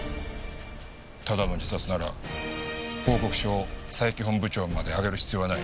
ただの自殺なら報告書を佐伯本部長まで上げる必要はない。